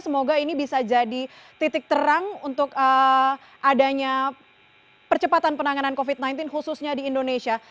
semoga ini bisa jadi titik terang untuk adanya percepatan penanganan covid sembilan belas khususnya di indonesia